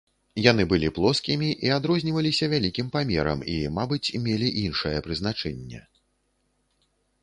Яны былі плоскімі і адрозніваліся вялікім памерам і, мабыць, мелі іншае прызначэнне.